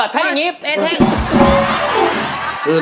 เท่าอย่างนี้